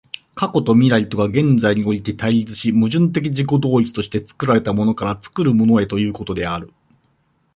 過去と未来とが現在において対立し、矛盾的自己同一として作られたものから作るものへということである。